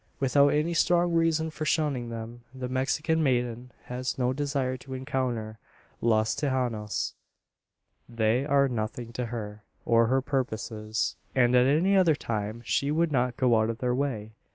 Without any strong reason for shunning them, the Mexican maiden has no desire to encounter "Los Tejanos." They are nothing to her, or her purposes; and, at any other time, she would not go out of their way.